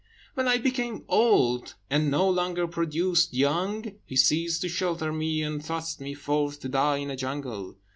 When I became old, and no longer produced young, he ceased to shelter me, and thrust me forth to die in a jungle.